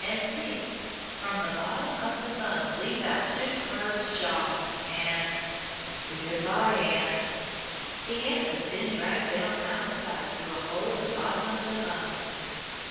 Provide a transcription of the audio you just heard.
And see! from the bottom of the funnel leap out two curved jaws and good by, ant! The ant has been dragged down out of sight through a hole in the bottom of the funnel.